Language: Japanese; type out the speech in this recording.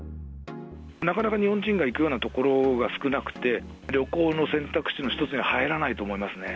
なかなか日本人が行くような所が少なくて、旅行の選択肢の一つに入らないと思いますね。